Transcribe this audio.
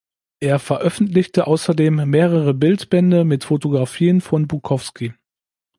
Er veröffentlichte außerdem mehrere Bildbände mit Fotografien von Bukowski.